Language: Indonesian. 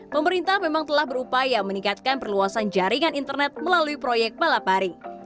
pemerintah memang telah berupaya meningkatkan perluasan jaringan internet melalui proyek balaparing